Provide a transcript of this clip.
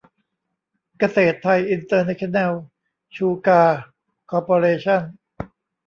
เกษตรไทย อินเตอร์เนชั่นแนล ชูการ์ คอร์ปอเรชั่น